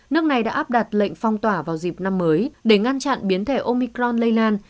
nước này đã áp đặt lệnh phong tỏa vào dịp năm mới để ngăn chặn biến thể omicron lây lan